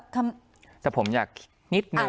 แต่ผมอยากคิดนิดนึง